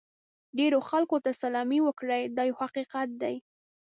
ډېرو خلکو ته سلامي وکړئ دا یو حقیقت دی.